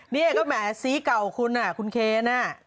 นี่ก็แหมสีเก่าของคุณคุณเคน